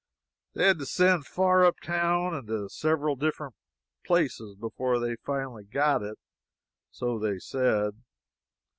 They had to send far up town, and to several different places before they finally got it, so they said.